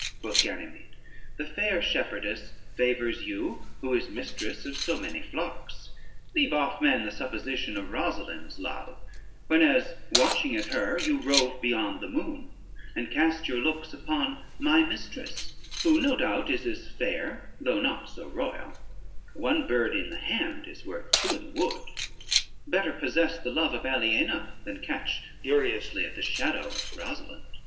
quoth Ganymede, "the fair shepherdess favors you, who is mistress of so many flocks. Leave off, man, the supposition of Rosalynde's love, whenas watching at her you rove beyond the moon, and cast your looks upon my mistress, who no doubt is as fair though not so royal; one bird in the hand is worth two in the wood: better possess the love of Aliena than catch furiously at the shadow of Rosalynde."